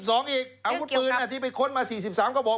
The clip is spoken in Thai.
ก็เกี่ยวกับอาวุธปืนที่ไปค้นมา๔๓ก็บอก